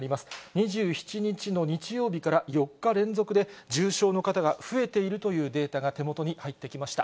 ２７日の日曜日から４日連続で、重症の方が増えているというデータが手元に入ってきました。